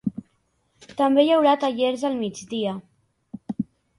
També hi haurà tallers al migdia.